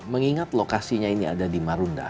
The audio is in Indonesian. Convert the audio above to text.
mengingat lokasinya ini ada di marunda